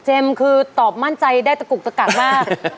เจมส์คือตอบม่านใจได้ตะกุกตะกัดมาก